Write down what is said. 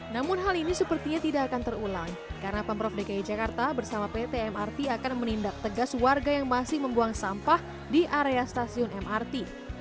namun hal ini sepertinya tidak akan terulang karena pemprov dki jakarta bersama pt mrt akan menindak tegas warga yang masih membuang sampah di area stasiun mrt